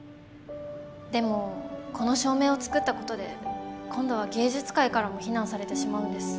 でもこの照明を作ったことで今度は芸術界からも非難されてしまうんです。